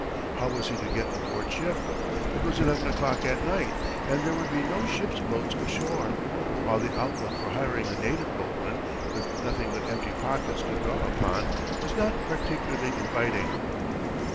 How was he to get aboard ship? It was eleven o'clock at night, and there would be no ship's boats ashore, while the outlook for hiring a native boatman, with nothing but empty pockets to draw upon, was not particularly inviting.